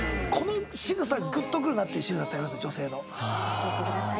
教えてください。